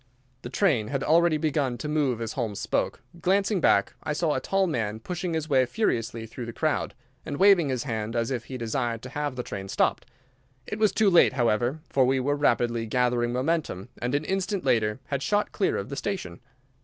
The train had already begun to move as Holmes spoke. Glancing back, I saw a tall man pushing his way furiously through the crowd, and waving his hand as if he desired to have the train stopped. It was too late, however, for we were rapidly gathering momentum, and an instant later had shot clear of the station.